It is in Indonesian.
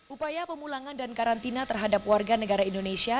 upaya pemulangan dan karantina terhadap warga negara indonesia